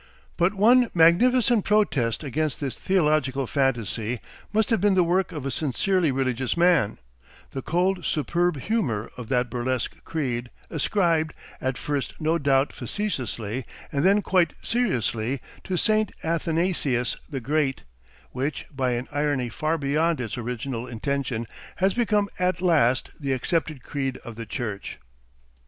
But one magnificent protest against this theological fantasy must have been the work of a sincerely religious man, the cold superb humour of that burlesque creed, ascribed, at first no doubt facetiously and then quite seriously, to Saint Athanasius the Great, which, by an irony far beyond its original intention, has become at last the accepted creed of the church.